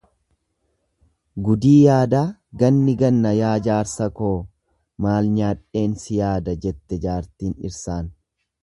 Gudii yaadaa ganni ganna yaa jaarsa koo maal nyaadheen si yaada jette jaartiin dhirsaan.